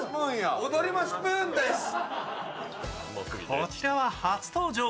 こちらは初登場。